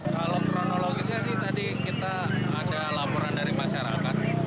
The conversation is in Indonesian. kalau kronologisnya sih tadi kita ada laporan dari masyarakat